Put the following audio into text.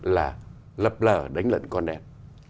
là lập lờ đánh lận con em